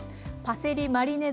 パセリマリネ